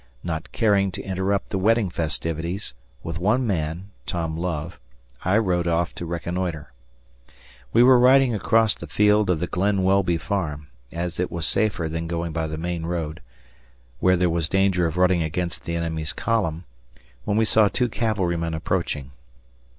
Not caring to interrupt the wedding festivities, with one man Tom Love I rode off to reconnoitre. We were riding across the field of the Glen Welby farm, as it was safer than going by the main road, where there was danger of running against the enemy's column, when we saw two cavalrymen approaching.